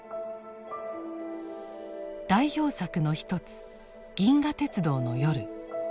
代表作の一つ「銀河鉄道の夜」。